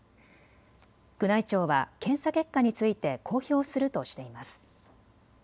宮内庁は検査結果について公表するとしています。